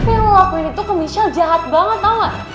tapi lo ngelakuin itu ke michelle jahat banget tau gak